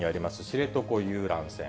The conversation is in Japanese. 知床遊覧船。